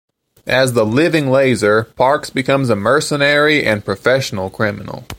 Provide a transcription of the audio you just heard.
As the "Living Laser", Parks becomes a mercenary and professional criminal.